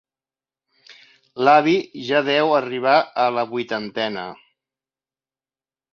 L'avi ja deu arribar a la vuitantena.